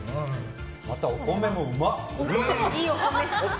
また、お米もうまっ！